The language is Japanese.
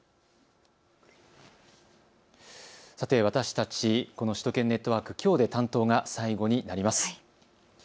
私たちこの首都圏ネットワークきょうで担当が最後になります。